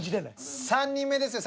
３人目ですよ